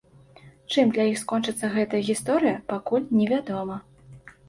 Чым для іх скончыцца гэтая гісторыя, пакуль невядома.